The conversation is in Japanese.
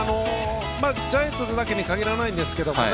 ジャイアンツだけに限らないんですけどね。